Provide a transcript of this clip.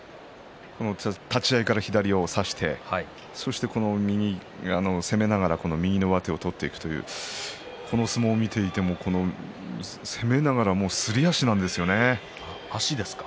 立ち合いから左を差してそして右を攻めながら右の上手を取っていくこの相撲を見ていても攻めながらすり足なんですよね。